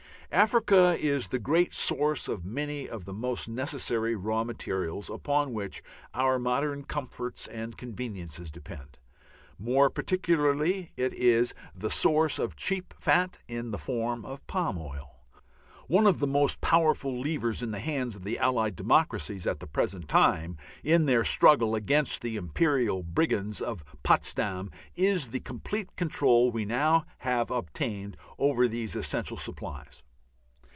Africa is the great source of many of the most necessary raw materials upon which our modern comforts and conveniences depend; more particularly is it the source of cheap fat in the form of palm oil. One of the most powerful levers in the hands of the Allied democracies at the present time in their struggle against the imperial brigands of Potsdam is the complete control we have now obtained over these essential supplies.